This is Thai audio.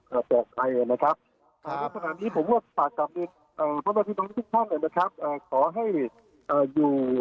ว่าภาพก็คือภาพที่จะแสดงไงนะครับ